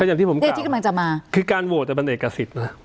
เป็นอย่างที่ผมกล่าวคือการโหวตจะเป็นเอกสิทธิ์นะครับ